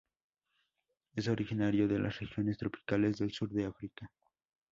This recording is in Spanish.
Es originario de las regiones tropicales del sur de África.